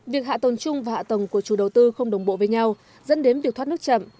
việc hạ tầng chung và hạ tầng của chủ đầu tư không đồng bộ với nhau dẫn đến việc thoát nước chậm